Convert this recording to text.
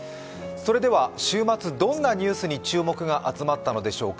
週末どんなニュースに注目が集まったのでしょうか。